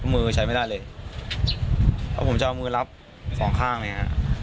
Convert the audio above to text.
มือใช้ไม่ได้เลยเพราะผมจะเอามือรับสองข้างเนี่ยฮะ